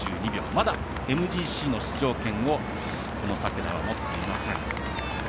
まだＭＧＣの出場権をこの作田は持っていません。